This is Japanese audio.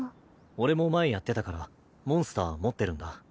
俺も前やってたからモンスター持ってるんだ。